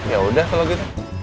yaudah kalau gitu